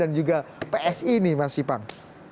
dan juga psi ini mas ipang